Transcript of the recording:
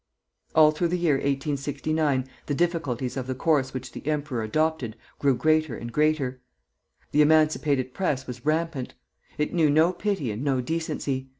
All through the year 1869 the difficulties of the course which the emperor adopted grew greater and greater. The emancipated Press was rampant. It knew no pity and no decency.